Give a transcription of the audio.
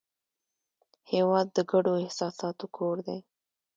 هېواد د ګډو احساساتو کور دی.